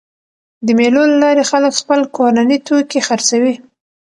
د مېلو له لاري خلک خپل کورني توکي خرڅوي.